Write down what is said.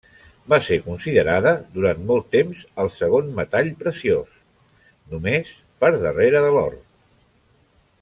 Va ser considerada durant molt temps el segon metall preciós, només per darrere de l'or.